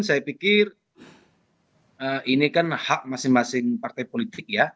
saya pikir ini kan hak masing masing partai politik ya